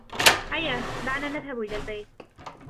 هيا. دعنا نذهب إلى البيت.